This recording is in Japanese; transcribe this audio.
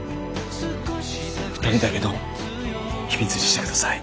二人だけの秘密にしてください。